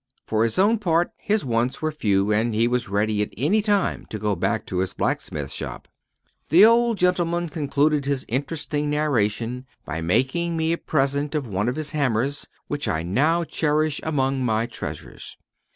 For his own part, his wants were few, and he was ready at any time to go back to his blacksmith's shop. The old gentleman concluded his interesting narration by making me a present of one of his hammers, which I now cherish among my treasures.